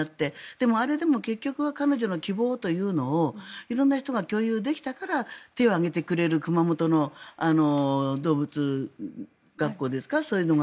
でも、あれでも結局は彼女の希望というのを色んな人が共有できたから手を挙げてくれる熊本の動物病院ですかそういうのが。